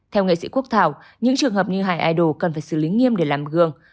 theo nghệ sĩ quốc thảo những trường hợp như hải idol cần phải xử lý nghiêm để làm gương